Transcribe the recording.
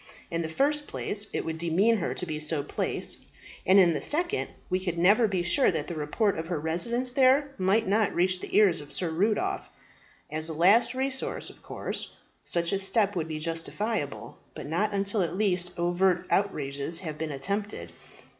In the first place, it would demean her to be so placed; and in the second, we could never be sure that the report of her residence there might not reach the ears of Sir Rudolph. As a last resource, of course such a step would be justifiable, but not until at least overt outrages have been attempted.